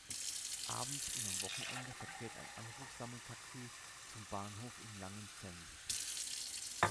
Abends und am Wochenende verkehrt ein Anrufsammeltaxi zum Bahnhof in Langenzenn.